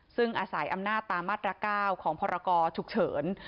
ซึ่งอาศัยอำนาจตามมาตร๙ของพรกรฉุกเฉิน